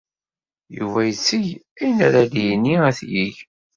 Yuba itteg ayen ara d-yini ad t-yeg.